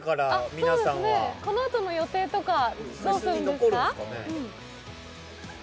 このあとの予定とか、どうするんですか？